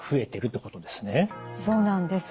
そうなんです。